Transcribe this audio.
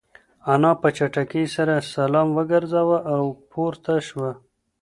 انا په چټکۍ سره سلام وگرځاوه او پورته شوه.